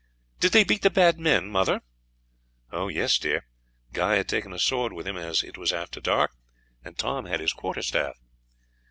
"Did they beat the bad men, mother?" "Yes, dear; Guy had taken a sword with him, as it was after dark, and Tom had his quarter staff."